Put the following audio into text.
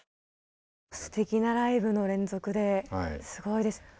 すてきなライブの連続ですごいです。